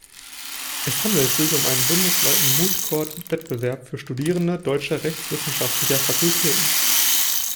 Es handelt sich um einen bundesweiten Moot-Court-Wettbewerb für Studierende deutscher rechtswissenschaftlicher Fakultäten.